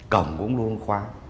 cổng cũng luôn luôn khóa